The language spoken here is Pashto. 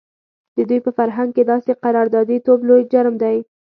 د دوی په فرهنګ کې داسې قراردادي توب لوی جرم دی.